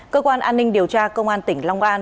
cơ quan an ninh điều tra công an tỉnh long an